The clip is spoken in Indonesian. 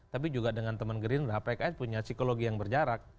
tapi juga dengan teman gerindra pks punya psikologi yang berjarak